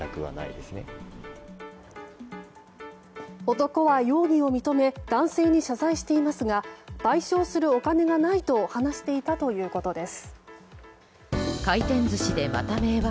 男は容疑を認め男性に謝罪していますが賠償するお金がないと話していたということです。